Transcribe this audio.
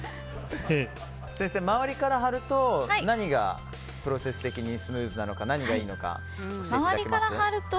先生、周りから貼ると何がプロセス的にスムーズなのか何がいいのか教えてもらえますか。